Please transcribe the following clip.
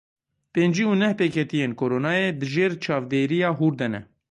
Pêncî û neh pêketiyên Koronayê di jêr çavdêriya hûr de ne.